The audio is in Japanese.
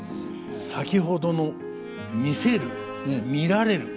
先ほどの「見せる」「見られる」